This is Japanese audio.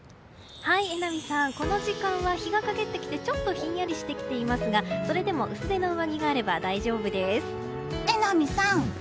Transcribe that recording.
この時間は日が陰ってきてちょっとひんやりしてきていますがそれでも薄手の上着があれば大丈夫です。